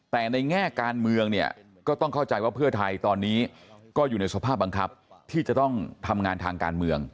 แต่ในแง่การเมืองเนี่ยก็ต้องเข้าใจว่าเพื่อไทยตอนนี้ก็อยู่ในสภาพบังคับที่จะต้องทำงานทางการเมือง